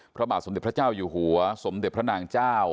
พระบาทสมเด็จพระเจ้าอยู่หัวสมเด็จพระนางเจ้า